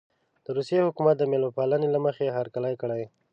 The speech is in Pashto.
د روسیې حکومت د مېلمه پالنې له مخې هرکلی کړی.